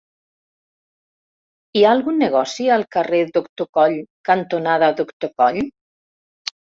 Hi ha algun negoci al carrer Doctor Coll cantonada Doctor Coll?